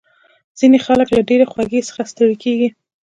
ځینې خلک له ډېرې خوږې څخه ستړي کېږي.